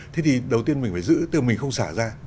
thế thì đầu tiên mình phải giữ từ mình không xả ra